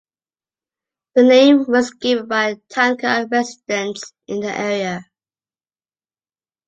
The name was given by Tanka residents in the area.